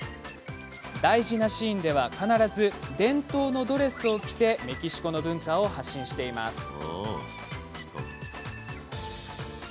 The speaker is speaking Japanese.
大事なシーンでは必ず伝統のドレスを着てメキシコの文化を発信しています。